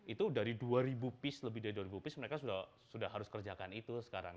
itu dari dua ribu piece lebih dari dua ribu piece mereka sudah harus kerjakan itu sekarang